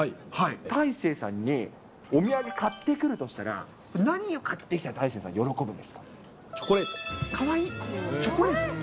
大勢さんにお土産買ってくるとしたら、何を買ってきたら大勢さん、喜ぶんですか？